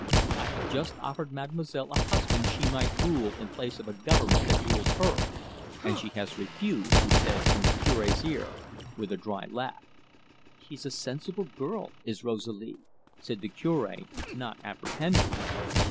"I have just offered Mademoiselle a husband she might rule in place of a government that rules her, and she has refused," he said in the Cure's ear, with a dry laugh. "She's a sensible girl, is Rosalie," said the Cure, not apprehending.